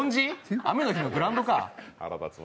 雨の日のグラウンドか。